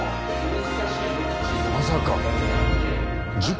まさか塾？